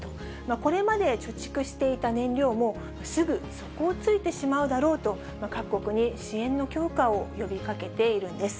これまで貯蓄していた燃料もすぐ底をついてしまうだろうと、各国に支援の強化を呼びかけているんです。